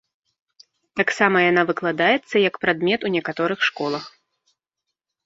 Таксама яна выкладаецца як прадмет у некаторых школах.